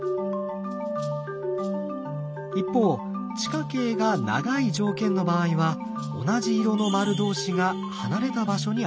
一方地下茎が長い条件の場合は同じ色の丸同士が離れた場所にあります。